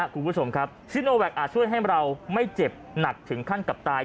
คุณผู้ชมครับซิโนแวคอาจช่วยให้เราไม่เจ็บหนักถึงขั้นกับตาย